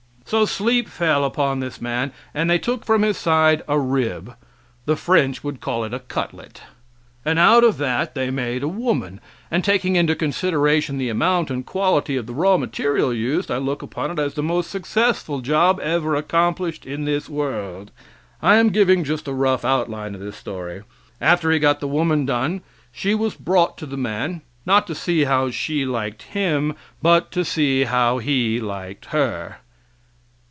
So sleep fell upon this man, and they took from his side a rib the French would call it a cutlet. And out of that they made a woman, and taking into consideration the amount and quality of the raw material used, I look upon it as the most successful job ever accomplished in this world. I am giving just a rough outline of this story. After He got the woman done she was brought to the man not to see how she liked him, but to see how he liked her.